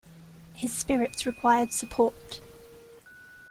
His spirits required support.